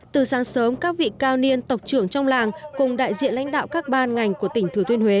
từ sáng sớm các vị cao niên tộc trưởng trong làng cùng đại diện lãnh đạo các ban ngành của tỉnh thừa thiên huế